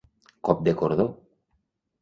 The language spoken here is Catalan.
Cop de cordó.